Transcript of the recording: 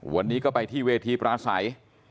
วันนี้ก็ไปที่เวทีปราศัย